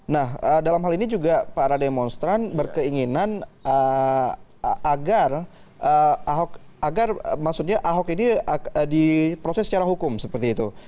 nah dalam hal ini juga para demonstran berkeinginan agar ahok agar maksudnya ahok ini diproses secara hukum seperti itu